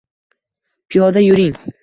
Piyoda yuring.